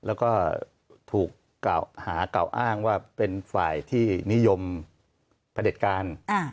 แล้วก็ถูกกล่าวอ้างว่าเป็นฝ่ายที่นิยมประเด็จการ